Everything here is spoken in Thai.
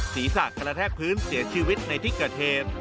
ศีรษะกระแทกพื้นเสียชีวิตในที่เกิดเหตุ